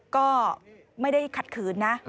ก็ไม่ได้ขัดขืนนะ